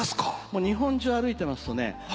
日本中歩いてますとね